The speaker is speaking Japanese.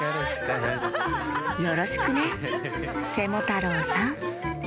よろしくねセモタロウさん！